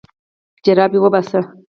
جرابې وباسه.